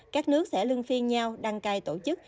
các nước sẽ lưng phiên nhau đăng cai tổ chức